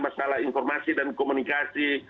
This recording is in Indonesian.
masalah informasi dan komunikasi